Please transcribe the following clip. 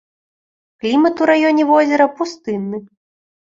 Клімат у раёне возера пустынны.